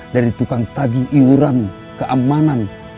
dari tukang tagi iuran keamanan